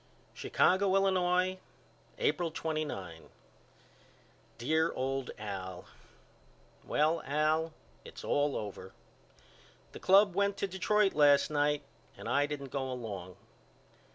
Chicago, Illinois, April 29. DEAR OLD AL: Well Al it's all over. The club went to Detroit last night and I didn't go along.